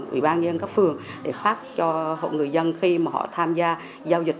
ủy ban dân các phường để phát cho hội người dân khi mà họ tham gia giao dịch